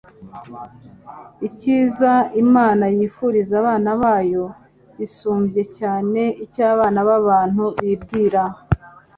Icyiza Imana yifuriza abana bayo gisumbye cyane icyo abana b'abantu bibwira.